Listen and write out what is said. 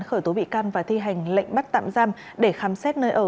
khởi tố bị can và thi hành lệnh bắt tạm giam để khám xét nơi ở